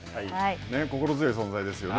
心強い存在ですよね。